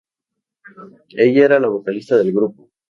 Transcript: Ella era la vocalista del grupo.